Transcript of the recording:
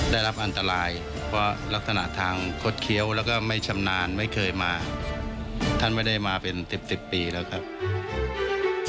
ได้รับอันตรายเพราะลักษณะทางคดเคี้ยวแล้วก็ไม่ชำนาญไม่เคยมาท่านไม่ได้มาเป็นสิบสิบปีแล้วครับ